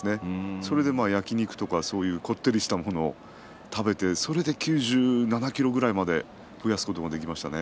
それで焼き肉とかこってりしたものを食べてそれで９７ｋｇぐらいまでに増やすことができましたね。